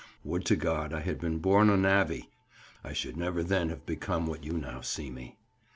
Would to God I had been born a navvy; I should never then have become what you now see me.